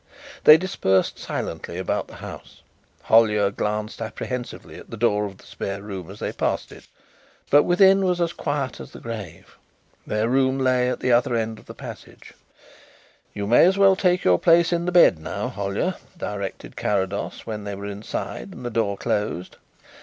They dispersed silently about the house. Hollyer glanced apprehensively at the door of the spare room as they passed it, but within was as quiet as the grave. Their room lay at the other end of the passage. "You may as well take your place in the bed now, Hollyer," directed Carrados when they were inside and the door closed.